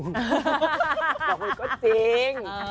บอกว่ามันก็จริง